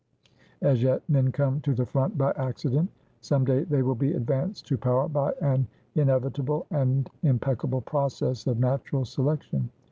As yet, men come to the front by accident; some day they will be advanced to power by an inevitable and impeccable process of natural selection.